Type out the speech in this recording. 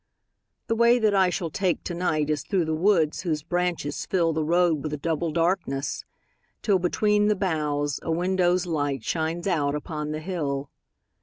The way that I shall take to night Is through the wood whose branches fill The road with double darkness, till, Between the boughs, a window's light Shines out upon the hill.